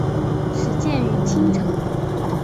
始建于清朝。